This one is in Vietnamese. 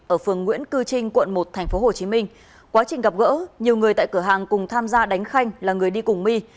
ở phường nguyễn cư trinh quận một tp hcm quá trình gặp gỡ nhiều người tại cửa hàng cùng tham gia đánh khanh là người đi cùng my